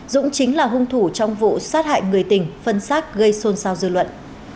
dũng chính là hung thủ trong vụ sát hại người tình phân xác gây xôn xao dư luận